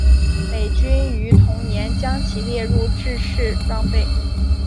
美军于同年将其列入制式装备。